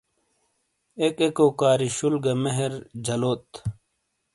ایک ایکو کاری شُول گہ مہر جَلوت۔